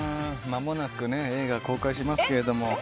まもなく映画公開しますけれども。